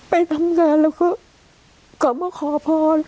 ไปทำงานแล้วก็กลับมาขอพร